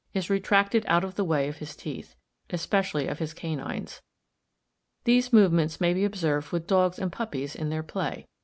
14) is retracted out of the way of his teeth, especially of his canines. These movements may be observed with dogs and puppies in their play.